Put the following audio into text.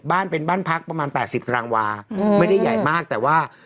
บ้านเป็นบ้านพักประมาณ๘๐ตารางวาไม่ได้ใหญ่มากแต่ว่า